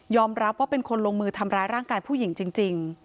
รับว่าเป็นคนลงมือทำร้ายร่างกายผู้หญิงจริง